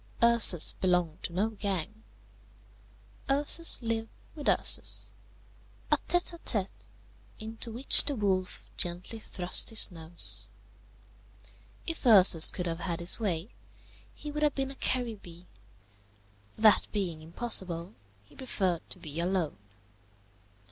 Ursus belonged to no gang. Ursus lived with Ursus, a tête à tête, into which the wolf gently thrust his nose. If Ursus could have had his way, he would have been a Caribbee; that being impossible, he preferred to be alone.